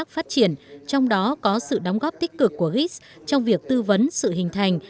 phát triển trong đó có sự đóng góp tích cực của ris trong việc tư vấn sự hình thành